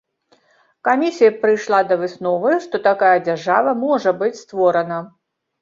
Камісія прыйшла да высновы, што такая дзяржава можа быць створана.